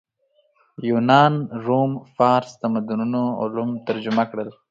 یونان روم فارس تمدنونو علوم ترجمه کړل